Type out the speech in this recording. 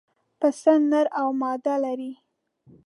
پسه نر او ماده لري.